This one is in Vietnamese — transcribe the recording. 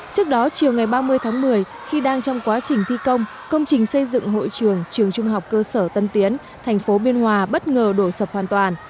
trước đó chiều ngày ba mươi tháng một mươi khi đang trong quá trình thi công công trình xây dựng hội trường trường trung học cơ sở tân tiến thành phố biên hòa bất ngờ đổ sập hoàn toàn